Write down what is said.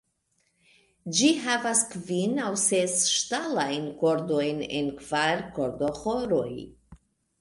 Ĝi havas kvin aŭ ses ŝtalajn kordojn en kvar kordoĥoroj.